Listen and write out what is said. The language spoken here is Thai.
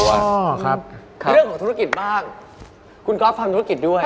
เรื่องของธุรกิจบ้างคุณก๊อฟทำธุรกิจด้วย